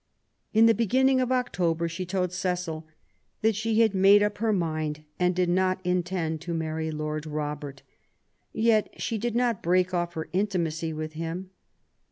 In the beginning of October she told Cecil that she had made up her mind and did not intend to marry Lord Robert "; yet she did not break off her intimacy with him.